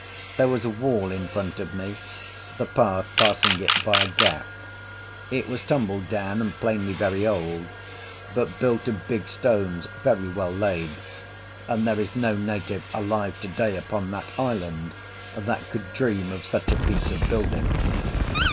There was a wall in front of me, the path passing it by a gap; it was tumbledown and plainly very old, but built of big stones very well laid; and there is no native alive to day upon that island that could dream of such a piece of building.